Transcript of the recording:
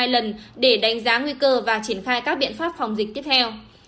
hai lần để đánh giá nguy cơ và triển khai các biện pháp phòng dịch tiếp theo